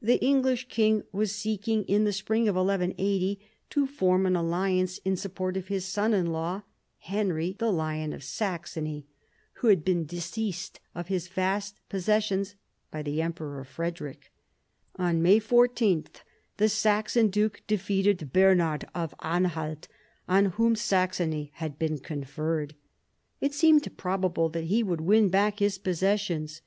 The English king was seeking in the spring of 1180 to form an alliance in support of his son in law, Henry the Lion of Saxony, who had been disseised of his vast possessions by the Emperor Frederic. On May 14 the Saxon duke defeated Bernard of Anhalt, on whom Saxony had been conferred. It seemed probable that he would win back his possessions.